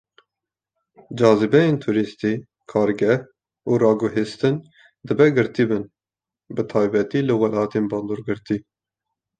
Cazîbeyên tûrîstî, kargeh, û raguhestin dibe girtî bin, bi taybetî li welatên bandorgirtî.